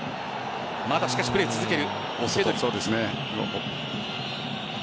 しかし、プレーを続ける。